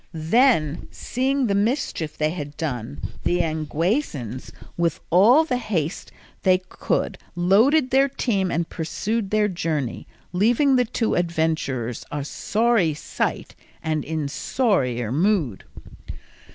Then, seeing the mischief they had done, the Yanguesans with all the haste they could loaded their team and pursued their journey, leaving the two adventurers a sorry sight and in sorrier mood.